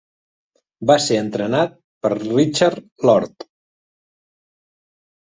Va ser entrenat per Richard Lord.